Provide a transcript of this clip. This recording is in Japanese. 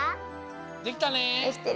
できたね？